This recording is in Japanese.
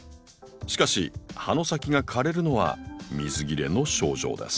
しかし葉の先が枯れるのは水切れの症状です。